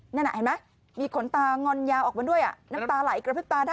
นั่นเห็นไหมมีขนตางอนยาวออกมาด้วยตาไหลกระเพ็บตาได้